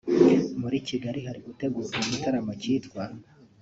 muri Kigali hari gutegurwa igitaramo cyitwa